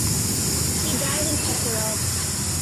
He died in Pesaro.